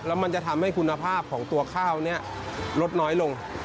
แล้วมันจะทำให้คุณภาพของตัวข้าวนี้ลดน้อยลง